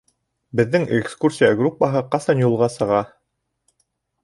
Беҙҙең экскурсия группаһы ҡасан юлға сыға?